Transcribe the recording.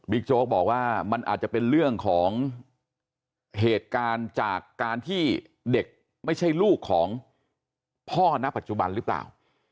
โจ๊กบอกว่ามันอาจจะเป็นเรื่องของเหตุการณ์จากการที่เด็กไม่ใช่ลูกของพ่อณปัจจุบันหรือเปล่า